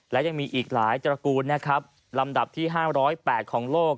และยังมีอีกหลายตระกูลนะครับลำดับที่๕๐๘ของโลก